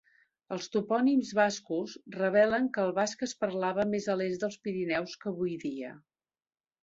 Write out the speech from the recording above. Els topònims bascos revelen que el basc es parlava més a l'est dels Pirineus que avui dia.